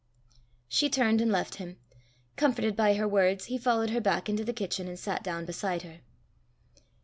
She turned and left him. Comforted by her words, he followed her back into the kitchen, and sat down beside her.